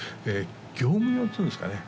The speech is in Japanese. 業務用っていうんですかね